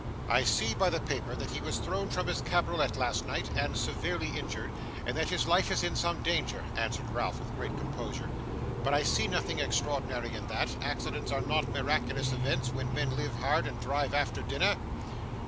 'I see by the paper that he was thrown from his cabriolet last night, and severely injured, and that his life is in some danger,' answered Ralph with great composure; 'but I see nothing extraordinary in that accidents are not miraculous events, when men live hard, and drive after dinner.